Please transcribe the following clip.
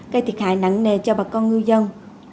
gây thiệt hại nặng nề cho bà con ngư dân